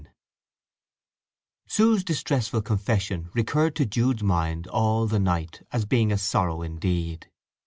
III Sue's distressful confession recurred to Jude's mind all the night as being a sorrow indeed.